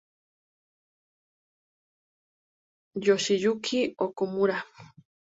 Yoshiyuki Okumura